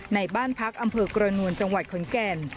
ในบ้านพักอำเภอกรณวลจังหวัดขอนแก่น